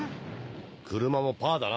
車もパだな。